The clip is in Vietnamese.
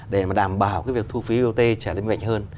để mà đảm bảo cái việc thu phí bot trả lấy mạnh hơn